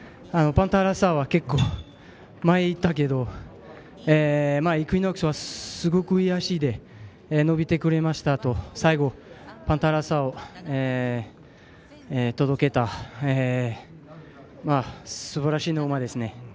パンサラッサは結構、前にいったけどイクイノックスはすごくいい脚で伸びてくれましたと最後、パンサラッサを届けたすばらしい馬ですね。